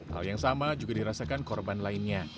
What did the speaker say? hal yang sama juga dirasakan korban lainnya